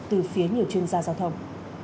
từ phía nhiều chuyên gia giao thông